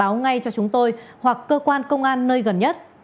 báo ngay cho chúng tôi hoặc cơ quan công an nơi gần nhất